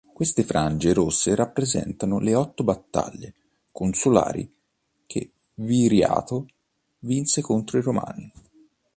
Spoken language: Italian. Queste frange rosse rappresentano le otto battaglie consolari che Viriato vinse contro i romani.